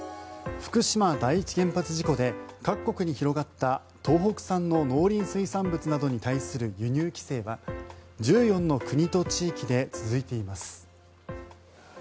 福島第一原発事故で各国に広がった東北産の農林水産物に対する輸入規制は１４の国と地域で続いています。